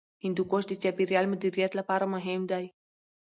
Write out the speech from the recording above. هندوکش د چاپیریال مدیریت لپاره مهم دی.